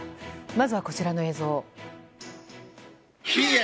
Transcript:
まずは、こちらの映像。